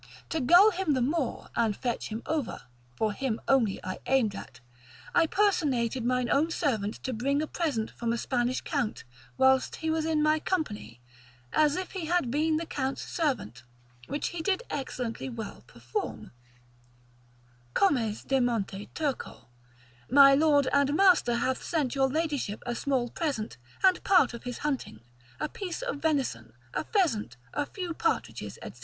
To gull him the more, and fetch him over (for him only I aimed at) I personated mine own servant to bring in a present from a Spanish count, whilst he was in my company, as if he had been the count's servant, which he did excellently well perform: Comes de monte Turco, my lord and master hath sent your ladyship a small present, and part of his hunting, a piece of venison, a pheasant, a few partridges, &c.